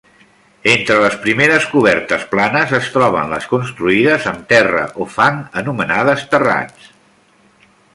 Entre les primeres cobertes planes es troben les construïdes amb terra o fang, anomenades terrats.